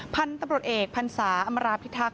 พันธุ์ทัพปลูกเอกพันธุ์สาวอำาราพิทักษ์